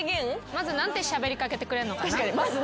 まず何てしゃべり掛けてくれんのかな。